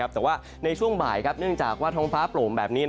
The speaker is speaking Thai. แต่ว่าในช่วงบ่ายเนื่องจากว่าท้องฟ้าโปร่งแบบนี้